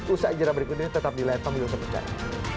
usaha ijera berikut ini tetap di layar pemilu sementara